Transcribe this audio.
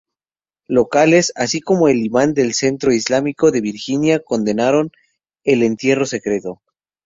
Locales, así como el imán del Centro Islámico de Virginia condenaron el entierro secreto.